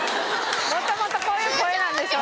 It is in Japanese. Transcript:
もともとこういう声なんでしょ。